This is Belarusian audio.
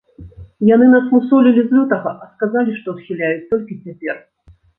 Яны нас мусолілі з лютага, а сказалі, што адхіляюць толькі цяпер.